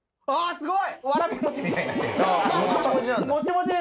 すごい！